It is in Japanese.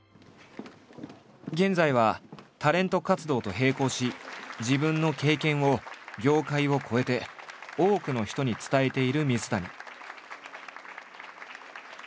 現在はタレント活動と並行し自分の経験を業界を超えて多くの人に伝えている水谷。